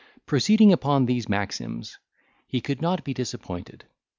Proceeding upon these maxims, he could not be disappointed.